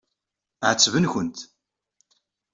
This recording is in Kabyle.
Ɛettben-kent.